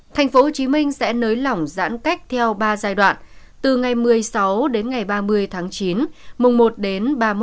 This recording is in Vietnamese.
tp hcm sẽ nới lỏng giãn cách theo ba giai đoạn từ ngày một mươi sáu đến ngày ba mươi tháng chín mùng một đến ba mươi một tháng một mươi và từ mùng một tháng một mươi một đến một mươi năm tháng một năm hai nghìn hai mươi hai